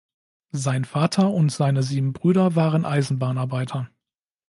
Sein Vater und seine sieben Brüder waren Eisenbahnarbeiter.